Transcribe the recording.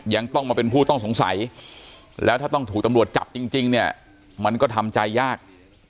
ยังต้องมาเป็นผู้ต้องสงสัยแล้วถ้าต้องถูกตำรวจจับจริงเนี่ยมันก็ทำใจยาก